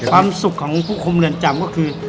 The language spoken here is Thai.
ความสุขของผู้คุมเรือนจำก็คือ